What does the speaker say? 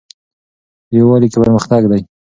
په یووالي کې پرمختګ ده